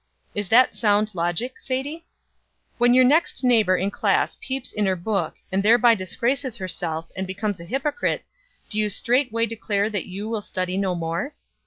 Is that sound logic, Sadie? When your next neighbor in class peeps in her book, and thereby disgraces herself, and becomes a hypocrite, do you straightway declare that you will study no more?